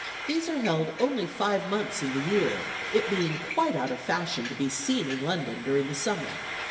These are held only five months in the year, it being quite out of fashion to be seen in London during the summer.